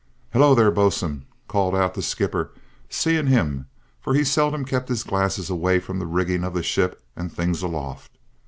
"Hullo, there, bo'sun!" called out the skipper, seeing him, for he seldom kept his glasses away from the rigging of the ship and things aloft.